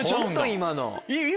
今の。